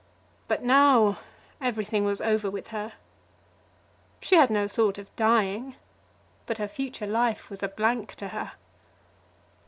But now everything was over with her. She had no thought of dying, but her future life was a blank to her.